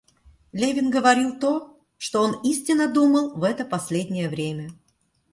Левин говорил то, что он истинно думал в это последнее время.